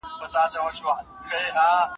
د نجار په میخ نښلول شوې وي.